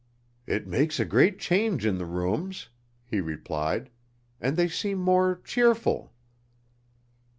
"It makes a great change in the rooms," he replied, "and they seem more cheerful."